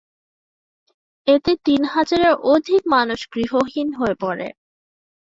এতে তিন হাজারের অধিক মানুষ গৃহহীন হয়ে পড়ে।